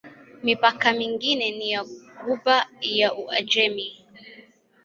Mipaka mingine ni ya Ghuba ya Uajemi.